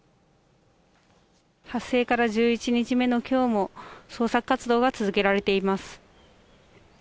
発生から１１日目のきょうも、捜索活動が続けられています。